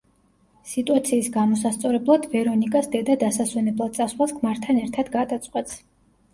სიტუაციის გამოსასწორებლად ვერონიკას დედა დასასვენებლად წასვლას ქმართან ერთად გადაწყვეტს.